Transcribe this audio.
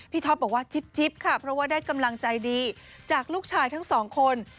ท็อปบอกว่าจิ๊บค่ะเพราะว่าได้กำลังใจดีจากลูกชายทั้งสองคน